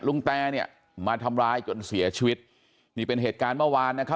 แตเนี่ยมาทำร้ายจนเสียชีวิตนี่เป็นเหตุการณ์เมื่อวานนะครับ